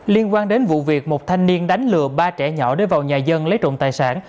liên quan đến vụ việc một thanh niên đánh lừa ba trẻ nhỏ để vào nhà dân lấy trộm tài sản